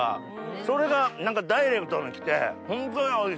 それがダイレクトにきて本当においしい。